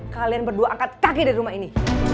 kalian berdua angkat kaki di rumah ini